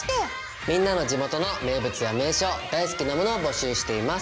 みんなの地元の名物や名所大好きなものを募集しています。